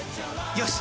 よし！